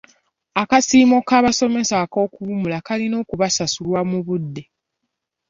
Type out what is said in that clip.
Akasiimo k'abasomesa ak'okuwummula kalina okusasulwa mu budde.